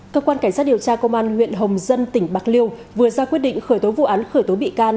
cơ quan cảnh sát điều tra công an huyện hồng dân tỉnh bạc liêu vừa ra quyết định khởi tố vụ án khởi tố bị can